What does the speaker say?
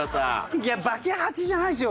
いやバケハチじゃないでしょ。